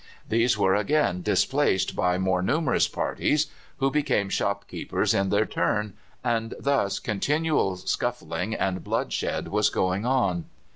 These were, again, displaced by more numerous parties, who became shopkeepers in their turn, and thus continual scuffling and bloodshed was going on.